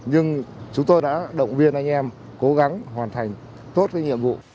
nhưng chúng tôi đã động viên anh em cố gắng hoàn thành tốt cái nhiệm vụ